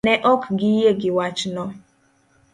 Ne ok giyie gi wachno.